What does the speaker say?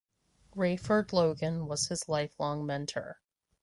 Rayford Logan was his lifelong mentor.